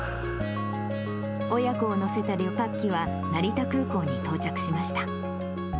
親子を乗せた旅客機は、成田空港に到着しました。